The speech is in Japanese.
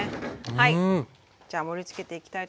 はい。